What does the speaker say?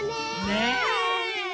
ねえ。